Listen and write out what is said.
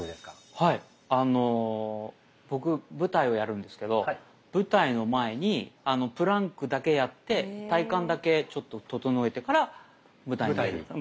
はいあの僕舞台をやるんですけど舞台の前にプランクだけやって体幹だけちょっと整えてから舞台にうん。